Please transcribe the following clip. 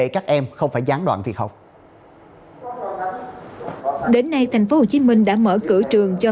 các em học trực tuyến hoặc nghỉ ở nhà hoàn toàn suốt tám tháng qua